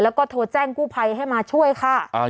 แล้วก็โทรแจ้งกู้ภัยให้มาช่วยค่ะ